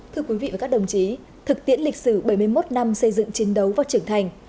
thưa quý vị và các đồng chí thực tiễn lịch sử bảy mươi một năm xây dựng chiến đấu và trưởng thành